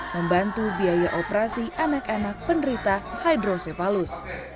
membantu biaya operasi anak anak penderita hidrosefalus